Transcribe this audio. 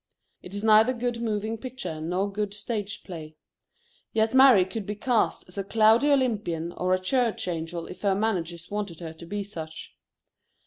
It is neither good moving picture nor good stage play. Yet Mary could be cast as a cloudy Olympian or a church angel if her managers wanted her to be such.